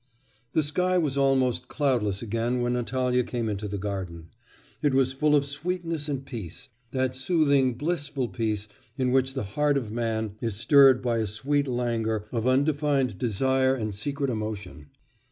The sky was almost cloudless again when Natalya came into the garden. It was full of sweetness and peace that soothing, blissful peace in which the heart of man is stirred by a sweet languor of undefined desire and secret emotion.